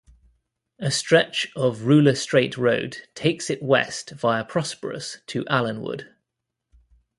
A stretch of ruler-straight road takes it west via Prosperous to Allenwood.